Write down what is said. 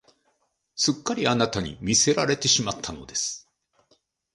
すっかりあなたに魅せられてしまったのです